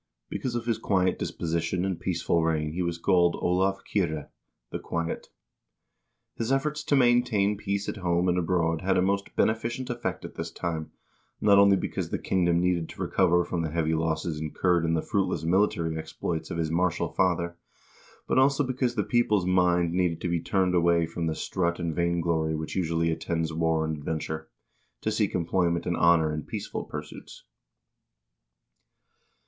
l Because of his quiet disposition and peaceful reign he was called Olav Kyrre (the quiet). His efforts to maintain peace at home and abroad had a most beneficent effect at this time, not only because the kingdom needed to recover from the heavy losses incurred in the fruitless military exploits of his martial father, but also because the people's mind needed to be turned away from the strut and vainglory which usually attends war and adventure, to seek employment and honor in peaceful pursuits.